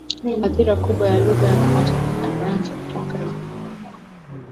athira kubwa ya lugha na utamaduni wa Kifaransa kutokana